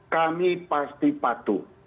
kami pasti patuh